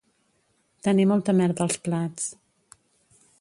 Tenir molta merda als plats